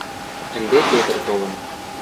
Ӹнде Петр толын.